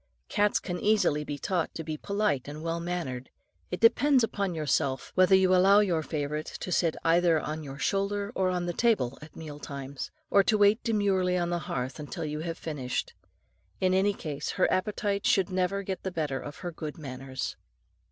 Cats can easily be taught to be polite and well mannered. It depends upon yourself, whether you allow your favourite to sit either on your shoulder or on the table at meal times, or to wait demurely on the hearth till you have finished. In any case, her appetite should never get the better of her good manners.